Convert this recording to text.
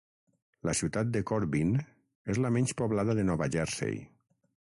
La ciutat de Corbin és la menys poblada de Nova Jersey.